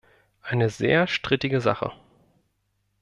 Eine sehr strittige Sache.